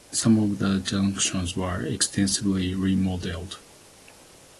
Some of the junctions were extensively re-modelled.